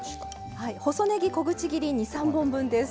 細ねぎ小口切り２３本分です。